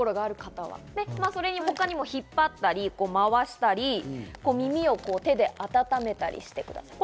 他にも引っ張ったり、まわしたり、耳を手で温めたりしてください。